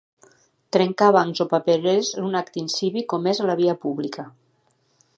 Trencar bancs o papereres és un acte incívic comès a la via pública.